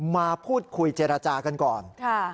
มาพูดคุยเจรจากันก่อน